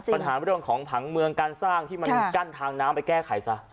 ปัญหาเรื่องของผังเมืองการสร้างที่มันกั้นทางน้ำไปแก้ไขซะ